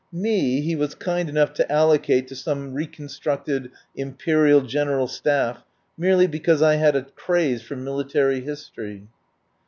Me he was kind enough to allocate to some reconstructed Imperial General Staff, merely because I had a craze for military history.